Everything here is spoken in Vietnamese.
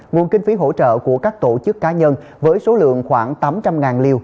nguồn kinh phí hỗ trợ của các tổ chức cá nhân với số lượng khoảng tám trăm linh liều